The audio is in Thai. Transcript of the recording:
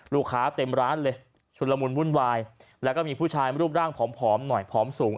เต็มร้านเลยชุดละมุนวุ่นวายแล้วก็มีผู้ชายรูปร่างผอมหน่อยผอมสูง